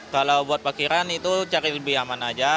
kalau buat pakiran itu cari lebih aman aja